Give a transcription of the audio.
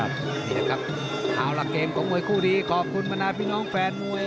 นี่แหละครับเอาล่ะเกมของมวยคู่นี้ขอบคุณบรรดาพี่น้องแฟนมวย